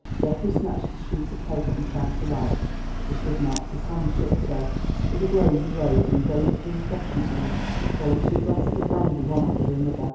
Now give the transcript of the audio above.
Geoffrey snatched a sheet of paper and tried to write. He could not, his hand shook so. With a groan he rose, and going to the refreshment room swallowed two glasses of brandy one after another.